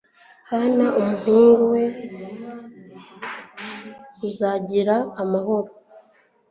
hana umuhungu wawe, uzagira amahoro